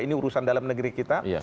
ini urusan dalam negeri kita